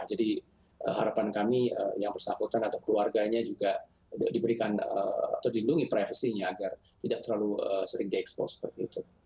harapan kami yang bersangkutan atau keluarganya juga diberikan atau dilindungi privasinya agar tidak terlalu sering diekspos seperti itu